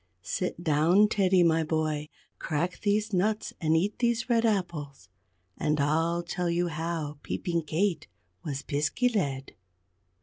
Sit down, Teddy, my boy, crack these nuts, and eat these red apples; and I'll tell you how Peeping Kate was Piskey led.